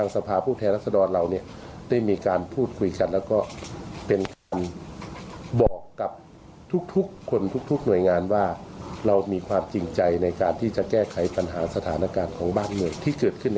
ซึ่งอันนี้ก็ที่ตรงกันอีกประการหนึ่งก็คือ